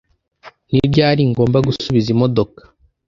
Ni ryari ngomba gusubiza imodoka